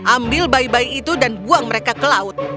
ambil bayi bayi itu dan buang mereka ke laut